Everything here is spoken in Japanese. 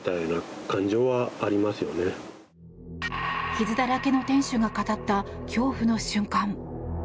傷だらけの店主が語った恐怖の瞬間。